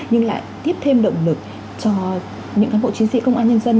hay là tiếp thêm động lực cho những cán bộ chiến sĩ công an nhân dân